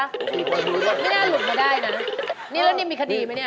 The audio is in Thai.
ปล่อยมือไม่น่าหลุดมาได้นะแล้วนี่มีคดีไหมเนี่ย